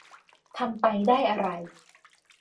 ทำไปได้อะไร